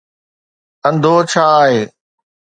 انڌو ڇا آهي؟